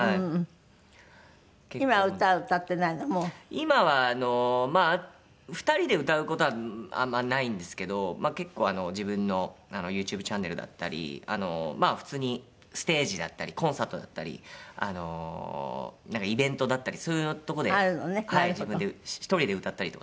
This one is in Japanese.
今はあのまあ２人で歌う事はあんまないんですけどまあ結構自分のＹｏｕＴｕｂｅチャンネルだったりまあ普通にステージだったりコンサートだったりなんかイベントだったりそういうとこで自分で１人で歌ったりとかする事はあります。